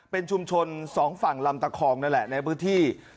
เป็นชุมชนสองฝั่งลำตะคองนั่นแหละในพื้นที่